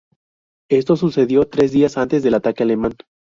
Esto sucedió tres días antes del ataque alemán.